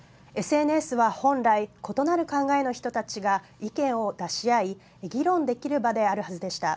ＳＮＳは、本来異なる考えの人たちが意見を出し合い議論できる場であるはずでした。